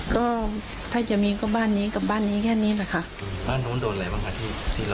ก็ถ้าจะมีก็บ้านนี้กับบ้านนี้แค่นี้แหละค่ะบ้านนู้นโดนอะไรบ้างคะที่ที่เรา